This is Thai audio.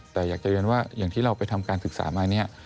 แต่อยากจะเรียนว่าอย่างที่เราไปทำการศึกษามาเนี่ย